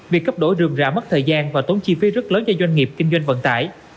việc cấp đổi rươm rạ mất thời gian và tốn chi phí rất lớn cho doanh nghiệp kinh doanh vận tải